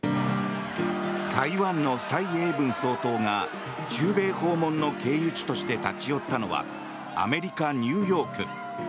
台湾の蔡英文総統が中米訪問の経由地として立ち寄ったのはアメリカ・ニューヨーク。